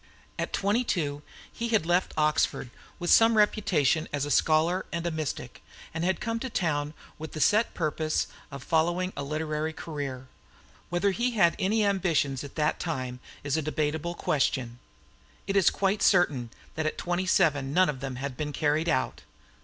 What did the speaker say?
At twenty two he had left Oxford with some reputation as a scholar and a mystic, and had come to town with the set purpose of following a literary career. Whether he had any ambitions at that time is a debatable question. It is quite certain that at twenty seven none of them had been carried out.